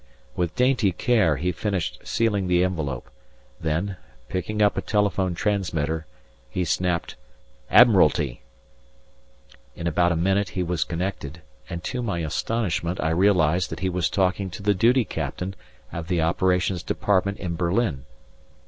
With dainty care he finished sealing the envelope, then, picking up a telephone transmitter, he snapped "Admiralty!" In about a minute he was connected, and to my astonishment I realized that he was talking to the duty captain of the operations department in Berlin.